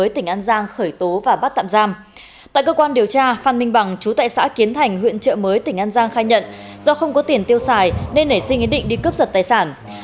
tại cơ quan điều tra phan minh bằng chú tại xã kiến thành huyện trợ mới tỉnh an giang khai nhận do không có tiền tiêu xài nên nảy sinh ý định đi cướp giật tài sản